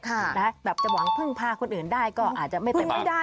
แบบจะหวังเพิ่งพาคนอื่นได้ก็อาจจะไม่เต็มปะ